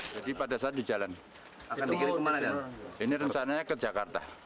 jadi pada saat di jalan ini rencananya ke jakarta